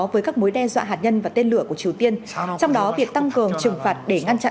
với các mối đe dọa hạt nhân và tên lửa của triều tiên trong đó việc tăng cường trừng phạt để ngăn chặn